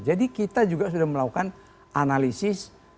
jadi kita juga sudah melakukan analisis